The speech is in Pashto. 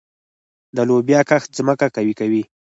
د لوبیا کښت ځمکه قوي کوي.